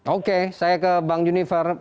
oke saya ke bang junifer